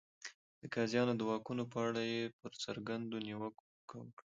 د قاضیانو د واکونو په اړه یې پر څرګندونو نیوکه وکړه.